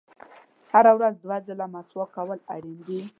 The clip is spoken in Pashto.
• هره ورځ دوه ځله مسواک کول اړین دي.